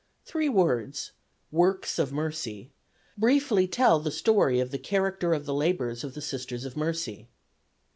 Three words, "works of mercy," briefly tell the story of the character of the labors of the Sisters of Mercy.